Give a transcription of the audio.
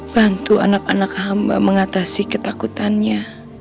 bantu anak anak hamba mengatasi ketakutannya